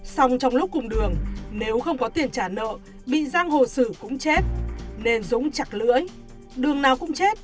xong trong lúc cùng đường nếu không có tiền trả nợ bị giang hồ xử cũng chết nên dũng chặt lưỡi đường nào cũng chết